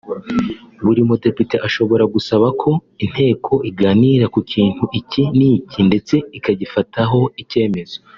Buri mudepite ashobora gusaba ko inteko iganira ku kintu iki n’iki ndetse ikagifataho ibyemezo